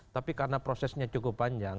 tapi karena prosesnya cukup panjang